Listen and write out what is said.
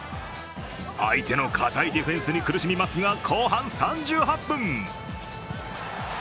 相手の堅いディフェンスに苦しみますが、後半３８分。